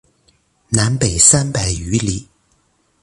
南北三百余里。